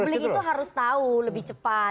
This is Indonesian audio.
publik itu harus tahu lebih cepat